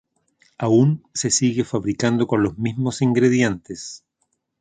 Aún se sigue fabricando con los mismos ingredientes.